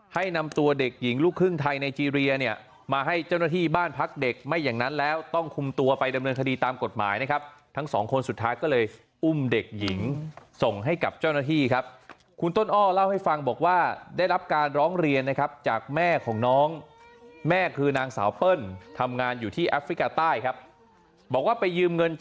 ให้นำตัวเด็กหญิงลูกครึ่งไทยไนเจรียเนี่ยมาให้เจ้าหน้าที่บ้านพักเด็กไม่อย่างนั้นแล้วต้องคุมตัวไปดำเนินคดีตามกฎหมายนะครับทั้งสองคนสุดท้ายก็เลยอุ้มเด็กหญิงส่งให้กับเจ้าหน้าที่ครับคุณต้นอ้อเล่าให้ฟังบอกว่าได้รับการร้องเรียนนะครับจากแม่ของน้องแม่คือนางสาวเปิ้ลทำงานอยู่ที่แอฟริกาใต้ครับบอกว่าไปยืมเงิน